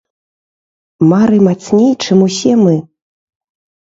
Мары мацней, чым усе мы!